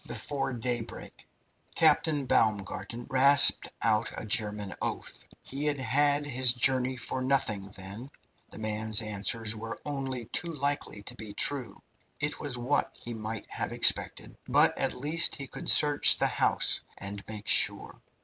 "Before daybreak." Captain Baumgarten rasped out a German oath. He had had his journey for nothing, then. The man's answers were only too likely to be true. It was what he might have expected. But at least he would search the house and make sure.